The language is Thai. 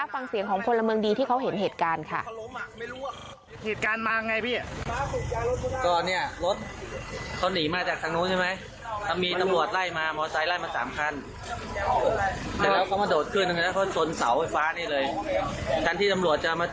ฟังเสียงของพลเมืองดีที่เขาเห็นเหตุการณ์ค่ะ